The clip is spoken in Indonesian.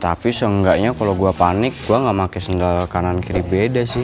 tapi seenggaknya kalo gua panik gua gak pake sendal kanan kiri beda sih